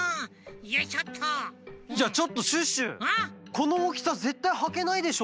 このおおきさぜったいはけないでしょ？